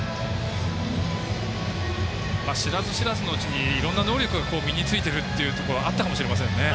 知らず知らずのうちにいろんな能力が身についていることがあったかもしれませんね。